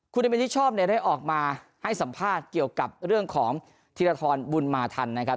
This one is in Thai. คุณเอมิชอบเนี่ยได้ออกมาให้สัมภาษณ์เกี่ยวกับเรื่องของธีรทรบุญมาทันนะครับ